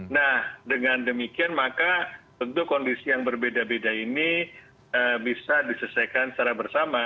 nah dengan demikian maka tentu kondisi yang berbeda beda ini bisa diselesaikan secara bersama